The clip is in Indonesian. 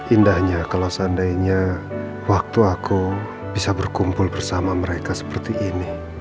indahnya kalau seandainya waktu aku bisa berkumpul bersama mereka seperti ini